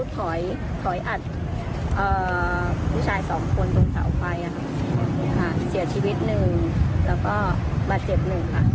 เสียชีวิต๑แล้วก็บาดเสพ๑ค่ะ